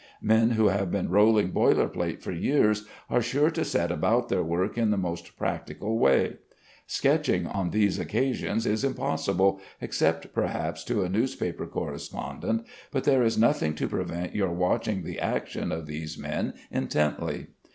Men who have been rolling boiler plate for years are sure to set about their work in the most practical way. Sketching on these occasions is impossible, except, perhaps, to a newspaper correspondent, but there is nothing to prevent your watching the action of these men intently.